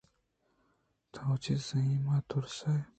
تو چہ زیماں ترس ئے